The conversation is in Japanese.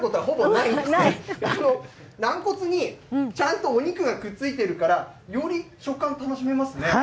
なんこつにちゃんとお肉がくっついてるから、より食感が楽しめますね。